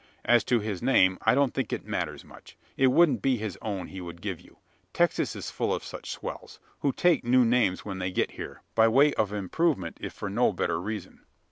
"As to his name, I don't think it matters much. It mightn't be his own he would give you. Texas is full of such swells, who take new names when they get here by way of improvement, if for no better reason."